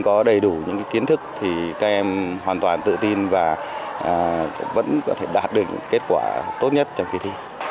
có đầy đủ những kiến thức thì các em hoàn toàn tự tin và vẫn có thể đạt được những kết quả tốt nhất trong kỳ thi